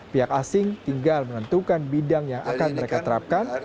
pihak asing tinggal menentukan bidang yang akan mereka terapkan